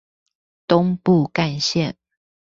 東部幹線